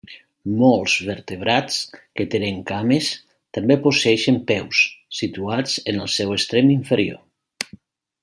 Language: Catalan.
Molts vertebrats que tenen cames també posseeixen peus situats en el seu extrem inferior.